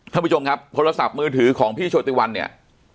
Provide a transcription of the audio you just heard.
ท่านผู้ชมครับโทรศัพท์มือถือของพี่โชติวันเนี่ย